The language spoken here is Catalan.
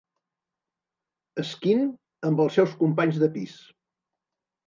Skin amb els seus companys de pis.